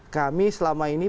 kami selama ini